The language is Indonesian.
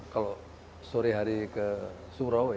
kalau sore hari ke surau ya